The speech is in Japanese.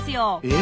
え！